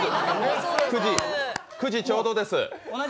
９時ちょうどです。